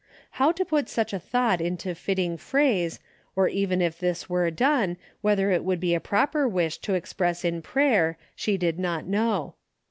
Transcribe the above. How to put such a thought into fitting phrase, or even if this were done, whether it would be a proper wish to express in prayer she did not know.